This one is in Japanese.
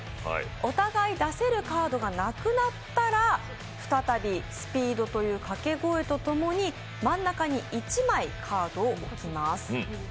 お互い出せるカードがなくなったら再び「スピード」というかけ声とともに真ん中に１枚、カードを置きます。